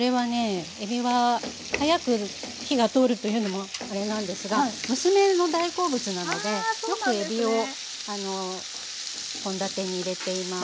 えびは早く火が通るというのもあれなんですが娘の大好物なのでよくえびを献立に入れています。